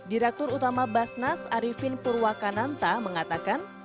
direktur utama basnas arifin purwakananta mengatakan